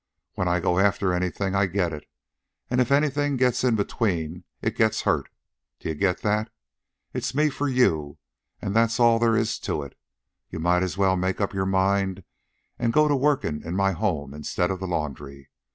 "When I go after anything I get it, an' if anything gets in between it gets hurt. D'ye get that? It's me for you, an' that's all there is to it, so you might as well make up your mind and go to workin' in my home instead of the laundry.